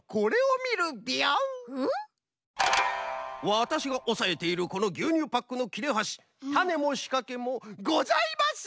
わたしがおさえているこのぎゅうにゅうパックのきれはしタネもしかけもございます！